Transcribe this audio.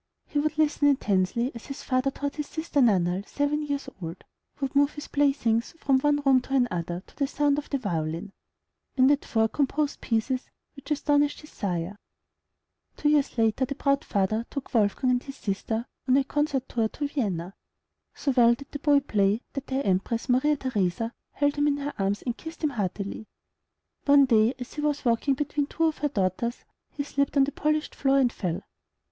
He would listen intensely as his father taught his little sister, Nannerl, seven years old; would move his playthings from one room to another, to the sound of the violin; and at four, composed pieces which astonished his sire. [Illustration: W. A. MOZART.] Two years later, the proud father took Wolfgang and his sister on a concert tour to Vienna. So well did the boy play, that the Empress Maria Theresa held him in her arms, and kissed him heartily. One day as he was walking between two of her daughters, he slipped on the polished floor and fell.